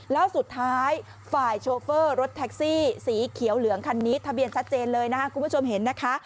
แล้วสุดท้ายฝ่ายโชเฟอร์รถแท็กซี่สีเขียวเหลืองคันนี้ทะเบียนชัดเจนเลยนะคะคุณผู้ชมเห็นนะคะ